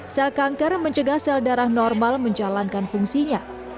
sel kanker mencegah sel darah normal menjalankan fungsinya